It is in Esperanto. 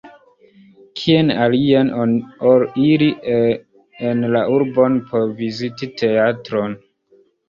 Kien alien ol iri en la urbon por viziti teatron?